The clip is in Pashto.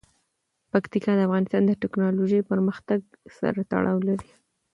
پکتیکا د افغانستان د تکنالوژۍ پرمختګ سره تړاو لري.